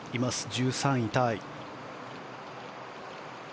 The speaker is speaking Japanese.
１３位タイ。